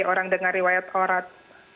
orang dengar riwayat orat